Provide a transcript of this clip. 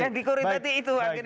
yang dikoreksi tadi itu